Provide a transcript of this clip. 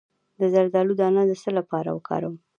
د زردالو دانه د څه لپاره وکاروم؟